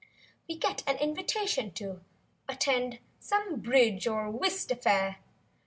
We get an invitation to Attend some bridge or whist affair.